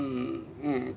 うん。